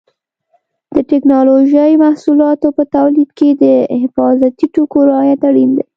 د ټېکنالوجۍ محصولاتو په تولید کې د حفاظتي ټکو رعایت اړین دی.